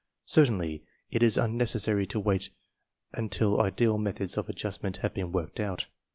Certainly it is unnecessary to wait until ideal methods of adjustment have been worked out.